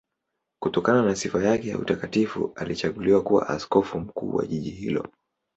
Kutokana na sifa yake ya utakatifu alichaguliwa kuwa askofu mkuu wa jiji hilo.